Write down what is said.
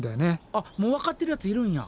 あっもうわかってるやついるんや。